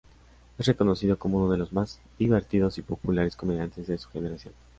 Es reconocido como uno de los más divertidos y populares comediantes de su generación.